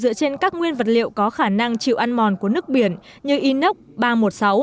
được chế tạo dựa trên các nguyên vật liệu có khả năng chịu ăn mòn của nước biển như inox ba trăm một mươi sáu